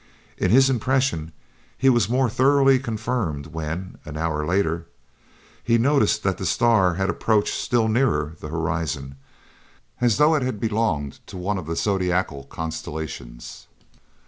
In his impression he was more thoroughly confirmed when, an hour later, he noticed that the star had approached still nearer the horizon, as though it had belonged to one of the zodiacal constellations.